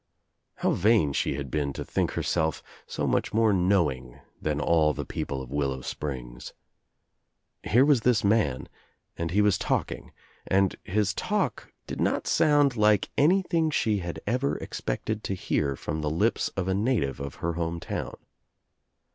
How vain she had been to think herself so much more know ing than all the people of Willow Springs. Here was this man and he was talking and his talk did not sound like anything she had ever expected to hear from the lips of a native of her home town.